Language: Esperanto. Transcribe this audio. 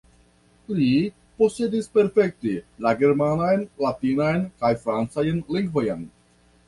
Li posedis perfekte la germanan, latinan kaj francajn lingvojn.